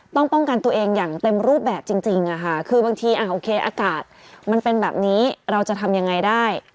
ป้องกันตัวเองอย่างเต็มรูปแบบจริงคือบางทีโอเคอากาศมันเป็นแบบนี้เราจะทำยังไงได้